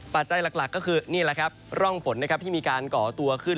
ปัจจัยหลักก็คือนี่แหละครับร่องฝนนะครับที่มีการก่อตัวขึ้น